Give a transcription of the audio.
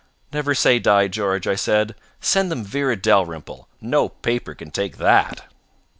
"'Never say die, George,' I said. 'Send them "Vera Dalrymple." No paper can take that.'